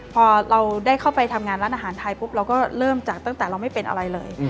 พอเราได้เข้าไปทำงานร้านอาหารไทยปุ๊บเราก็เริ่มจากตั้งแต่เราไม่เป็นอะไรเลย